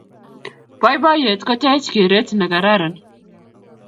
Boiboiyet kotech keret ne kararan